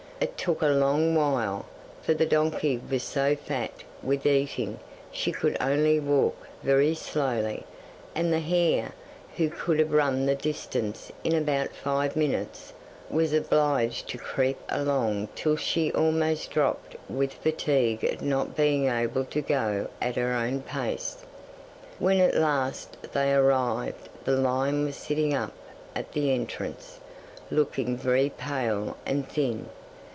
It took a long while, for the donkey was so fat with eating she could only walk very slowly, and the hare, who could have run the distance in about five minutes, was obliged to creep along till she almost dropped with fatigue at not being able to go at her own pace. When at last they arrived the lion was sitting up at the entrance, looking very pale and thin.